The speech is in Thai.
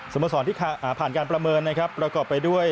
โมสรที่ผ่านการประเมินนะครับประกอบไปด้วย